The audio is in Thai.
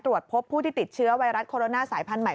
ตรวจพบผู้ที่ติดเชื้อไวรัสโคโรนาสายพันธุใหม่